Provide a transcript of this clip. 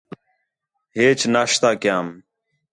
ہیچ ناشتہ کیام